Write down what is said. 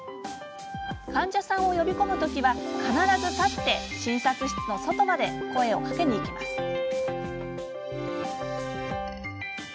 患者さんを呼び込むときは必ず立って、診察室の外まで声をかけに行きます。